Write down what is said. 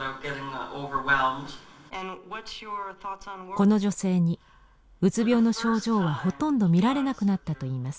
この女性にうつ病の症状はほとんど見られなくなったといいます。